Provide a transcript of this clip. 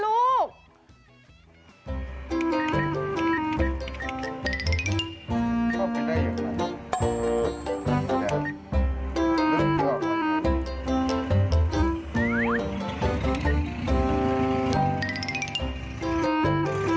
ชอบกินได้อยู่ไหม